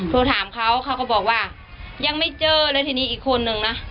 โทรถามเขาเขาก็บอกว่ายังไม่เจอเลยทีนี้อีกคนนึงนะ